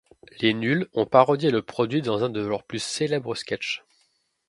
Les Nuls ont parodié le produit dans un de leurs plus célèbres sketchs.